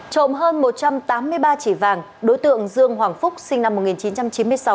trộm hơn một trăm tám mươi ba chỉ vàng đối tượng dương hoàng phúc sinh năm một nghìn chín trăm chín mươi sáu